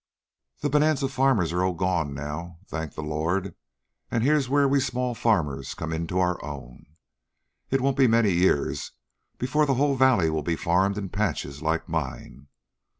"The bonanza farmers are all gone now, thank the Lord, and here's where we small farmers come into our own. It won't be many years before the whole valley will be farmed in patches like mine.